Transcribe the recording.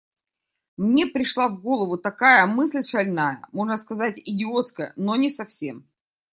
Мне пришла в голову такая мысль шальная, можно сказать, идиотская, но не совсем.